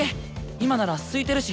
今なら空いてるし！